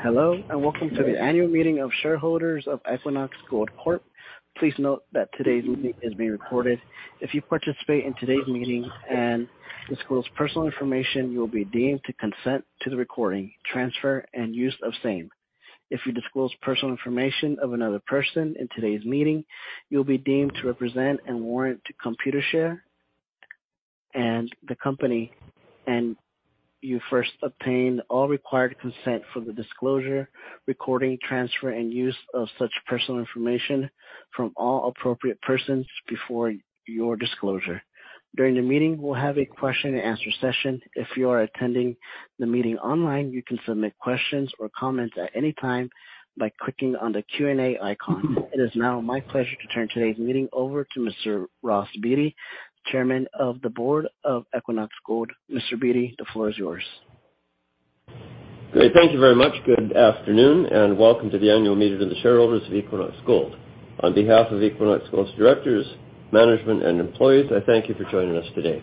Hello, and welcome to the annual meeting of shareholders of Equinox Gold Corp. Please note that today's meeting is being recorded. If you participate in today's meeting and disclose personal information, you will be deemed to consent to the recording, transfer, and use of same. If you disclose personal information of another person in today's meeting, you will be deemed to represent and warrant to Computershare and the company, and you first obtain all required consent for the disclosure, recording, transfer, and use of such personal information from all appropriate persons before your disclosure. During the meeting, we'll have a question and answer session. If you are attending the meeting online, you can submit questions or comments at any time by clicking on the Q&A icon. It is now my pleasure to turn today's meeting over to Mr. Ross Beaty, Chairman of the Board of Equinox Gold. Mr. Beaty, the floor is yours. Great. Thank you very much. Good afternoon, and welcome to the annual meeting of the shareholders of Equinox Gold. On behalf of Equinox Gold's directors, management, and employees, I thank you for joining us today.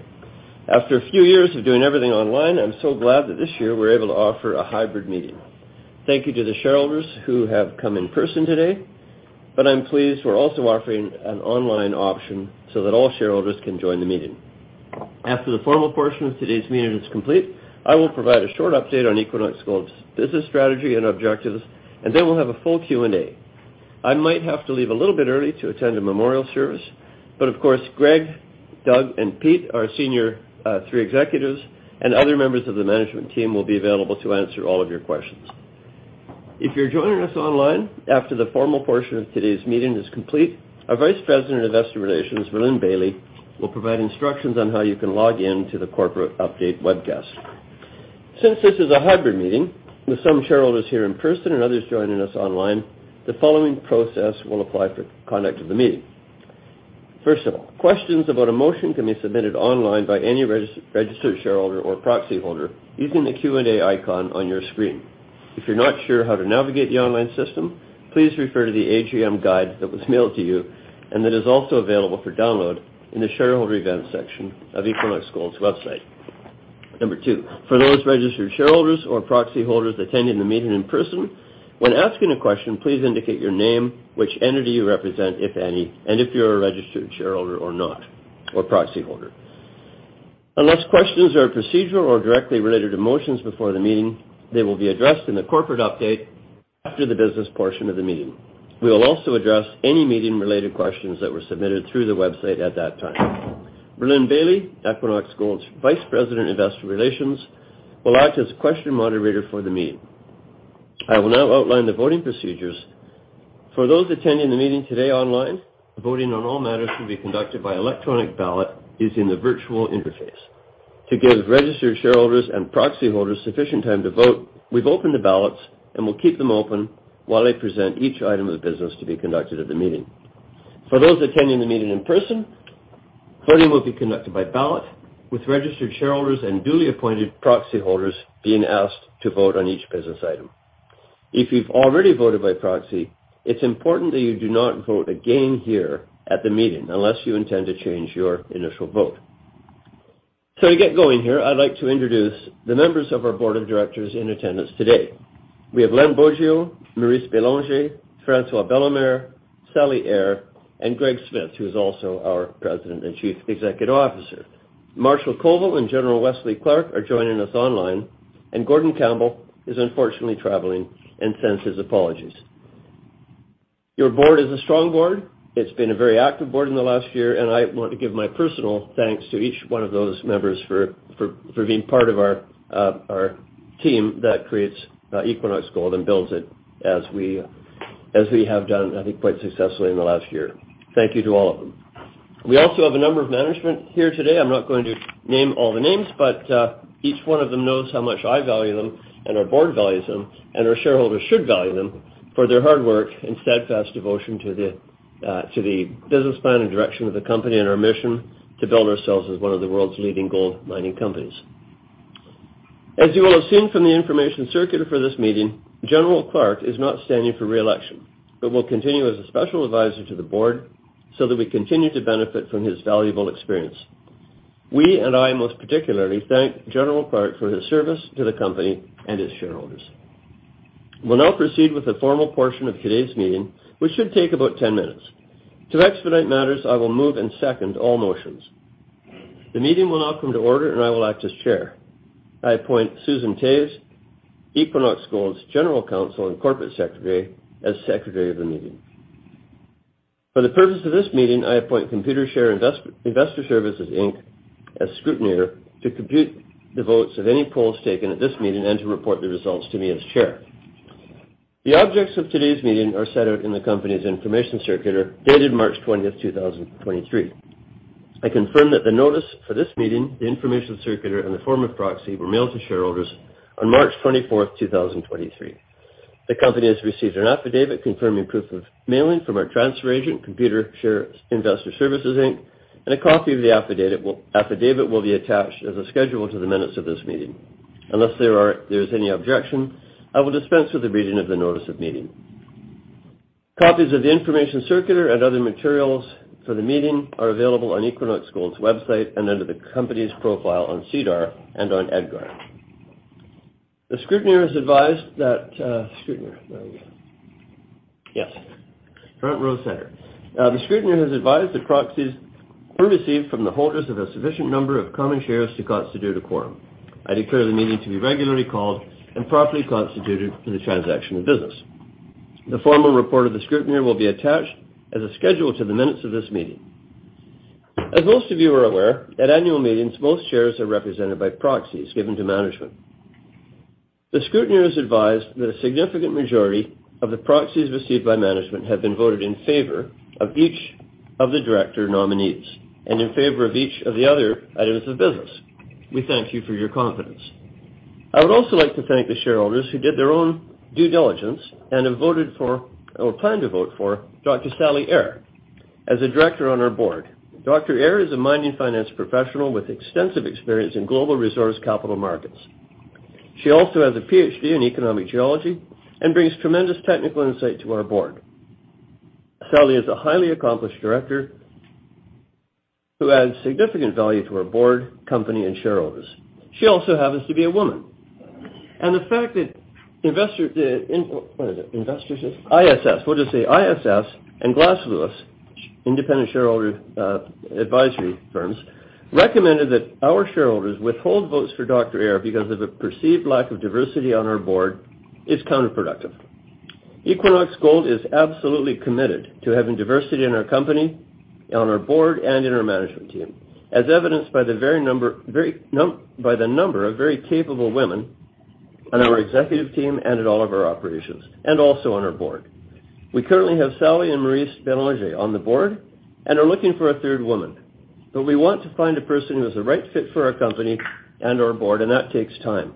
After a few years of doing everything online, I'm so glad that this year we're able to offer a hybrid meeting. Thank you to the shareholders who have come in person today, but I'm pleased we're also offering an online option so that all shareholders can join the meeting. After the formal portion of today's meeting is complete, I will provide a short update on Equinox Gold's business strategy and objectives, and then we'll have a full Q&A. I might have to leave a little bit early to attend a memorial service. Of course, Greg, Doug, and Pete, our senior three executives, and other members of the management team will be available to answer all of your questions. If you're joining us online, after the formal portion of today's meeting is complete, our vice president of investor relations, Rhylin Bailie, will provide instructions on how you can log in to the corporate update webcast. Since this is a hybrid meeting, with some shareholders here in person and others joining us online, the following process will apply for conduct of the meeting. First of all, questions about a motion can be submitted online by any registered shareholder or proxyholder using the Q&A icon on your screen. If you're not sure how to navigate the online system, please refer to the AGM guide that was mailed to you and that is also available for download in the shareholder events section of Equinox Gold's website. Number two, for those registered shareholders or proxyholders attending the meeting in person, when asking a question, please indicate your name, which entity you represent, if any, and if you're a registered shareholder or not, or proxyholder. Unless questions are procedural or directly related to motions before the meeting, they will be addressed in the corporate update after the business portion of the meeting. We will also address any meeting-related questions that were submitted through the website at that time. Rhylin Bailie, Equinox Gold's Vice President, Investor Relations, will act as question moderator for the meeting. I will now outline the voting procedures. For those attending the meeting today online, the voting on all matters will be conducted by electronic ballot using the virtual interface. To give registered shareholders and proxyholders sufficient time to vote, we've opened the ballots and will keep them open while I present each item of business to be conducted at the meeting. For those attending the meeting in person, voting will be conducted by ballot, with registered shareholders and duly appointed proxyholders being asked to vote on each business item. If you've already voted by proxy, it's important that you do not vote again here at the meeting unless you intend to change your initial vote. To get going here, I'd like to introduce the members of our board of directors in attendance today. We have Len Boggio, Maryse Bélanger, François Bellemare, Sally Eyre, and Greg Smith, who is also our President and Chief Executive Officer Marshall Koval and General Wesley Clark are joining us online. Gordon Campbell is unfortunately traveling and sends his apologies. Your board is a strong board. It's been a very active board in the last year. I want to give my personal thanks to each one of those members for being part of our team that creates Equinox Gold and builds it as we have done, I think, quite successfully in the last year. Thank you to all of them. We also have a number of management here today. I'm not going to name all the names, each one of them knows how much I value them and our board values them, and our shareholders should value them for their hard work and steadfast devotion to the business plan and direction of the company and our mission to build ourselves as one of the world's leading gold mining companies. As you will have seen from the information circulated for this meeting, General Clark is not standing for re-election but will continue as a special advisor to the board that we continue to benefit from his valuable experience. We and I most particularly thank General Clark for his service to the company and its shareholders. We'll now proceed with the formal portion of today's meeting, which should take about 10 minutes. To expedite matters, I will move and second all motions. The meeting will now come to order. I will act as chair. I appoint Susan Toews, Equinox Gold's General Counsel and Corporate Secretary, as Secretary of the meeting. For the purpose of this meeting, I appoint Computershare Investor Services Inc. as scrutineer to compute the votes of any polls taken at this meeting and to report the results to me as chair. The objects of today's meeting are set out in the company's information circular dated March 20th, 2023. I confirm that the notice for this meeting, the information circular, and the form of proxy were mailed to shareholders on March 24th, 2023. The company has received an affidavit confirming proof of mailing from our transfer agent, Computershare Investor Services Inc. A copy of the affidavit will be attached as a schedule to the minutes of this meeting. Unless there's any objection, I will dispense with the reading of the notice of meeting. Copies of the information circular and other materials for the meeting are available on Equinox Gold's website and under the company's profile on SEDAR and on EDGAR. The scrutineer has advised that scrutineer. There we go. Yes. Front row center. The scrutineer has advised that proxies were received from the holders of a sufficient number of common shares to constitute a quorum. I declare the meeting to be regularly called and properly constituted for the transaction of business. The formal report of the scrutineer will be attached as a schedule to the minutes of this meeting. As most of you are aware, at annual meetings, most shares are represented by proxies given to management. The scrutineer has advised that a significant majority of the proxies received by management have been voted in favor of each of the director nominees and in favor of each of the other items of business. We thank you for your confidence. I would also like to thank the shareholders who did their own due diligence and have voted for or plan to vote for Dr. Sally Eyre as a director on our board. Dr. Eyre is a mining finance professional with extensive experience in global resource capital markets. She also has a PhD in economic geology and brings tremendous technical insight to our board. Sally is a highly accomplished director who adds significant value to our board, company, and shareholders. She also happens to be a woman. The fact that ISS. We'll just say ISS and Glass Lewis, independent shareholder advisory firms, recommended that our shareholders withhold votes for Dr. Eyre because of a perceived lack of diversity on our board is counterproductive. Equinox Gold is absolutely committed to having diversity in our company, on our board, and in our management team, as evidenced by the number of very capable women on our executive team and at all of our operations and also on our board. We currently have Sally and Maryse Bélanger on the board and are looking for a third woman. We want to find a person who is the right fit for our company and our board, and that takes time.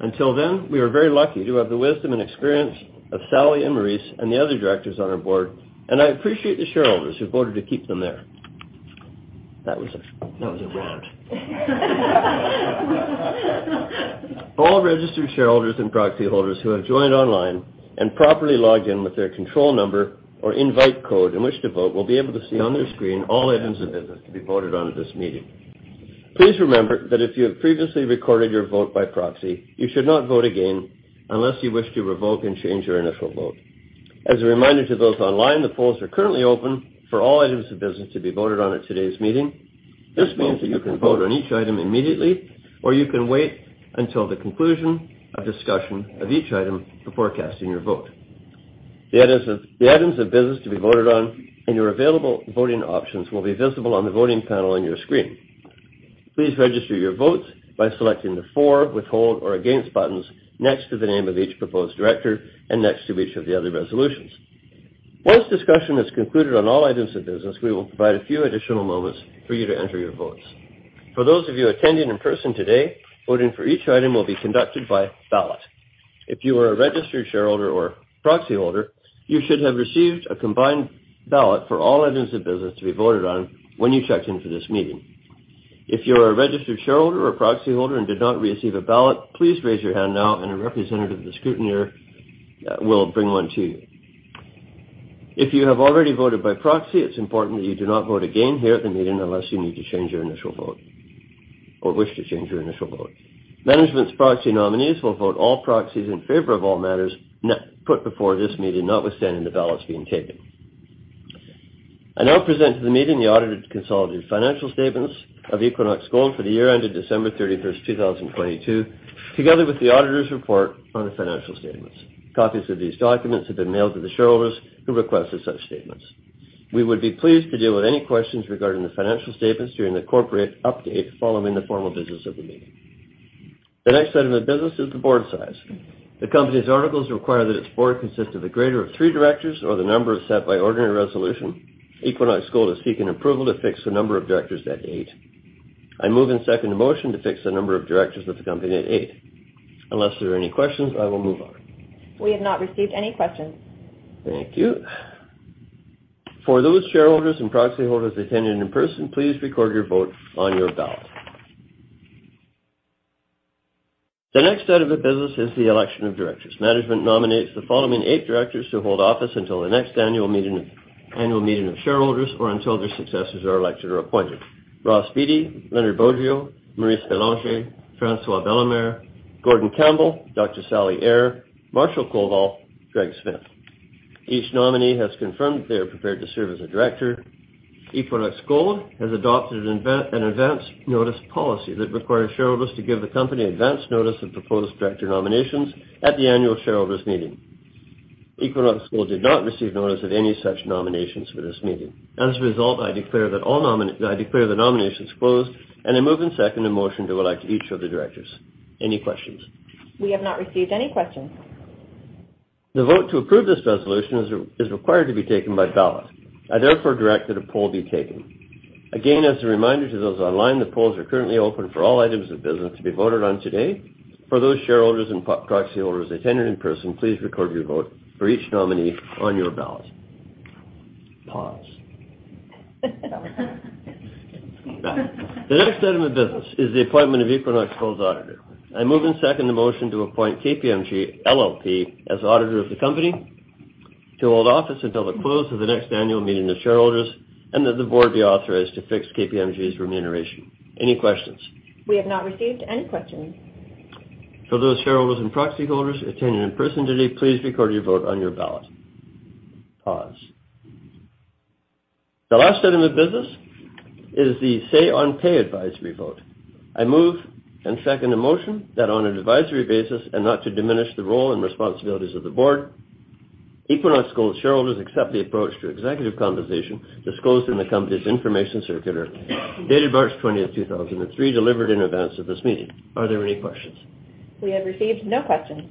Until then, we are very lucky to have the wisdom and experience of Sally and Maryse and the other directors on our board, and I appreciate the shareholders who voted to keep them there. That was a rant. All registered shareholders and proxy holders who have joined online and properly logged in with their control number or invite code in which to vote will be able to see on their screen all items of business to be voted on at this meeting. Please remember that if you have previously recorded your vote by proxy, you should not vote again unless you wish to revoke and change your initial vote. As a reminder to those online, the polls are currently open for all items of business to be voted on at today's meeting. This means that you can vote on each item immediately, or you can wait until the conclusion of discussion of each item before casting your vote. The items of business to be voted on and your available voting options will be visible on the voting panel on your screen. Please register your votes by selecting the for, withhold, or against buttons next to the name of each proposed director and next to each of the other resolutions. Once discussion is concluded on all items of business, we will provide a few additional moments for you to enter your votes. For those of you attending in person today, voting for each item will be conducted by ballot. If you are a registered shareholder or proxy holder, you should have received a combined ballot for all items of business to be voted on when you checked in for this meeting. If you're a registered shareholder or proxy holder and did not receive a ballot, please raise your hand now and a representative of the scrutineer will bring one to you. If you have already voted by proxy, it's important that you do not vote again here at the meeting unless you need to change your initial vote or wish to change your initial vote. Management's proxy nominees will vote all proxies in favor of all matters put before this meeting, notwithstanding the ballots being taken. I now present to the meeting the audited consolidated financial statements of Equinox Gold for the year ended December 31st, 2022, together with the auditor's report on the financial statements. Copies of these documents have been mailed to the shareholders who requested such statements. We would be pleased to deal with any questions regarding the financial statements during the corporate update following the formal business of the meeting. The next item of business is the board size. The company's articles require that its board consist of a greater of three directors or the number set by ordinary resolution. Equinox Gold is seeking approval to fix the number of directors at eight. I move and second the motion to fix the number of directors of the company at eight. Unless there are any questions, I will move on. We have not received any questions. Thank you. For those shareholders and proxy holders attending in person, please record your vote on your ballot. The next item of business is the election of directors. Management nominates the following eight directors to hold office until the next annual meeting of shareholders or until their successors are elected or appointed: Ross Beaty, Lenard Boggio, Maryse Bélanger, François Bellemare, Gordon Campbell, Dr. Sally Eyre, Marshall Koval, Greg Smith. Each nominee has confirmed that they are prepared to serve as a director. Equinox Gold has adopted an Advance Notice Policy that requires shareholders to give the company advance notice of proposed director nominations at the annual shareholders meeting. Equinox Gold did not receive notice of any such nominations for this meeting. I declare the nominations closed and I move and second a motion to elect each of the directors. Any questions? We have not received any questions. The vote to approve this resolution is required to be taken by ballot. I therefore direct that a poll be taken. As a reminder to those online, the polls are currently open for all items of business to be voted on today. For those shareholders and proxy holders attending in person, please record your vote for each nominee on your ballot. The next item of business is the appointment of Equinox Gold's auditor. I move and second the motion to appoint KPMG LLP as auditor of the company to hold office until the close of the next annual meeting of shareholders, and that the board be authorized to fix KPMG's remuneration. Any questions? We have not received any questions. For those shareholders and proxy holders attending in person today, please record your vote on your ballot. The last item of business is the say on pay advisory vote. I move and second the motion that on an advisory basis and not to diminish the role and responsibilities of the board, Equinox Gold shareholders accept the approach to executive compensation disclosed in the company's information circular, dated March 20th, 2003, delivered in advance of this meeting. Are there any questions? We have received no questions.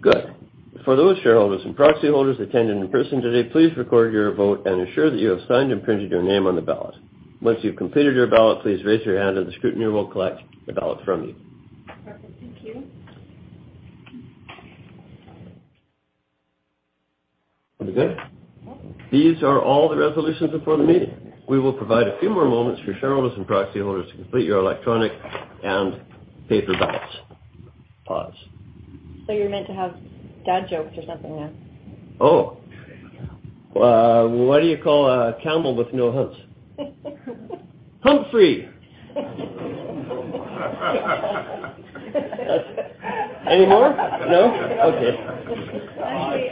Good. For those shareholders and proxy holders attending in person today, please record your vote and ensure that you have signed and printed your name on the ballot. Once you've completed your ballot, please raise your hand and the scrutineer will collect the ballot from you. Perfect. Thank you. Are we good? Yep. These are all the resolutions before the meeting. We will provide a few more moments for shareholders and proxy holders to complete your electronic and paper ballots. You're meant to have dad jokes or something now. Oh. What do you call a camel with no humps? Humpfree. Any more? No. Okay. Actually,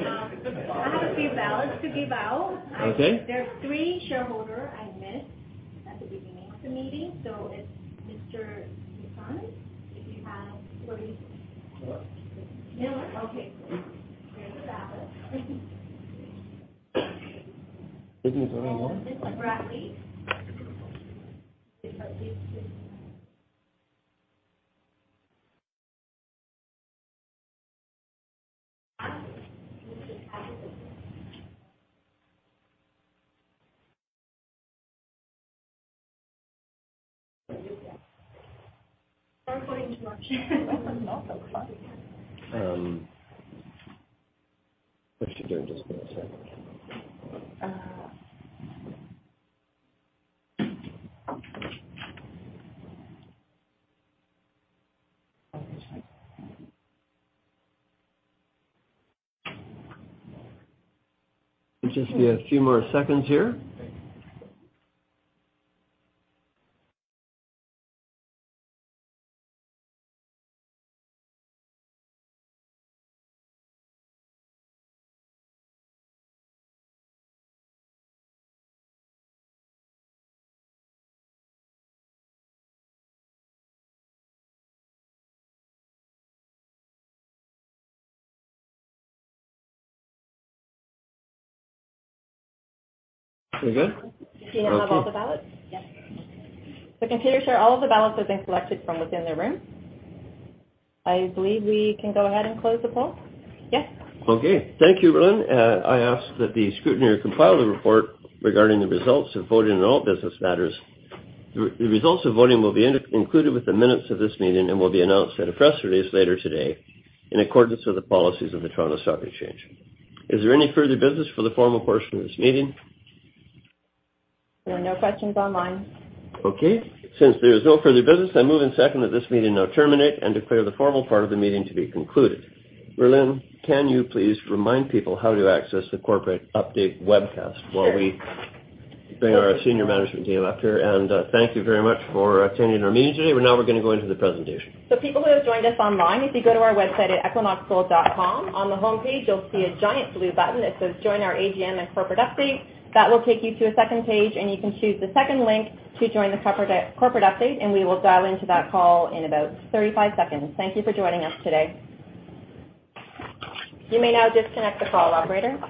I have a few ballots to give out. Okay. There are three shareholder I missed at the beginning of the meeting. It's Mr. Buchanan. If you have Louise Miller. Okay, great. David Roberts. Isn't there only one? Just give me a second. Just be a few more seconds here. Are we good? Do you have all the ballots? The computers show all the ballots have been collected from within the room. I believe we can go ahead and close the poll. Yes. Okay. Thank you, Rhylin. I ask that the scrutineer compile the report regarding the results of voting on all business matters. The results of voting will be included with the minutes of this meeting and will be announced at a press release later today in accordance with the policies of the Toronto Stock Exchange. Is there any further business for the formal portion of this meeting? There are no questions online. Okay, since there is no further business, I move and second that this meeting now terminate and declare the formal part of the meeting to be concluded. Rhylin, can you please remind people how to access the corporate update webcast while we bring our senior management team up here? Thank you very much for attending our meeting today. We're gonna go into the presentation. People who have joined us online, if you go to our website at equinoxgold.com, on the homepage you'll see a giant blue button that says Join Our AGM and Corporate Update. That will take you to a second page, and you can choose the second link to join the corporate update, and we will dial into that call in about 35 seconds. Thank you for joining us today. You may now disconnect the call, operator.